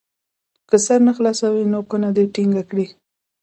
که سر نه خلاصوي نو کونه دې ټینګه کړي.